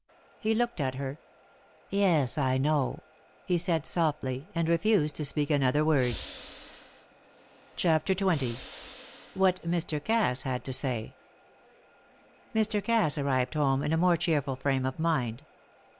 He looked at her. "Yes, I know," he said, softly, and refused to speak another word. CHAPTER XX. WHAT MR. CASS HAD TO SAY. Mr. Cass arrived home in a more cheerful frame of mind.